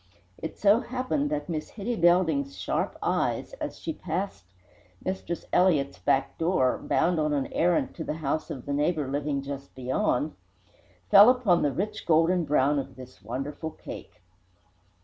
It so happened that Miss Hitty Belding's sharp eyes, as she passed Mistress Elliott's back door, bound on an errand to the house of the neighbour living just beyond, fell upon the rich golden brown of this wonderful cake.